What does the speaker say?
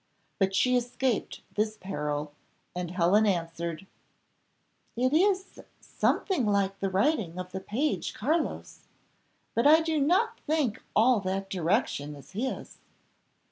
But she escaped this peril, and Helen answered: "It is something like the writing of the page Carlos, but I do not think all that direction is his.